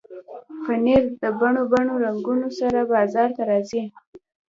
پنېر د بڼو بڼو رنګونو سره بازار ته راځي.